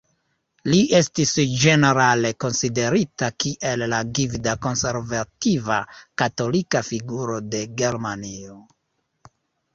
Li estis ĝenerale konsiderita kiel la gvida konservativa katolika figuro de Germanio.